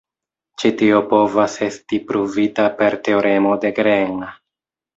Ĉi tio povas esti pruvita per teoremo de Green.